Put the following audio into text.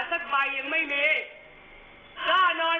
สัตว์นรกอยู่ในบ้านและแอบใช้บ้านเอกสารสักใบยังไม่มี